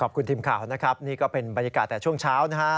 ขอบคุณทีมข่าวนะครับนี่ก็เป็นบรรยากาศแต่ช่วงเช้านะฮะ